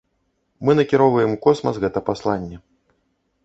Мы накіроўваем у космас гэта пасланне.